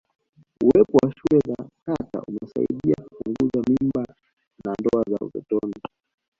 uwepo wa shule za kata umesaidia kupunguza mimba na ndoa za utotoni